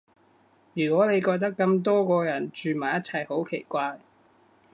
如果你覺得咁多個人住埋一齊好奇怪